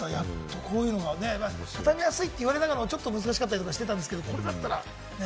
こういうのがね畳みやすいと言われながらもちょっと難しかったりしてたんですけれども、これだったらね。